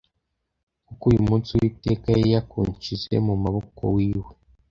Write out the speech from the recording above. kuko uyu munsi uwiteka yari yakunshyize mu maboko wiwe